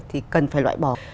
thì cần phải loại bỏ